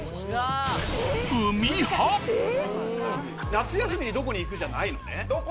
夏休みにどこに行く？じゃないのね？